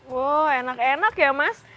wow enak enak ya mas